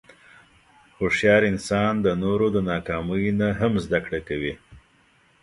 هوښیار انسان د نورو د ناکامیو نه هم زدهکړه کوي.